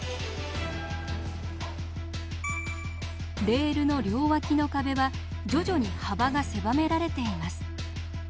レールの両脇の壁は徐々に幅が狭められています。